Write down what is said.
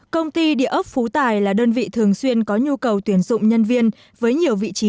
công ty địa ốc phú tài là đơn vị thường xuyên có nhu cầu tuyển dụng nhân viên với nhiều vị trí